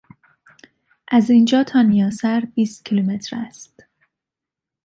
از اینجا تا نیاسر بیست کیلومتر است.